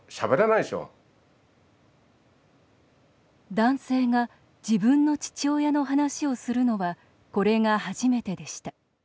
男性が自分の父親の話をするのはこれが初めてでした。